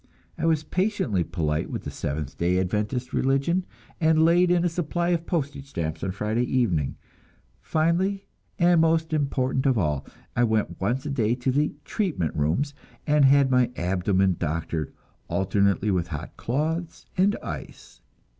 I was patiently polite with the Seventh Day Adventist religion, and laid in a supply of postage stamps on Friday evening. Finally, and most important of all, I went once a day to the "treatment rooms," and had my abdomen doctored alternately with hot cloths and ice.